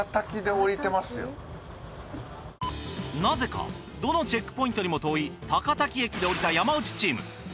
なぜかどのチェックポイントにも遠い高滝駅で降りた山内チーム。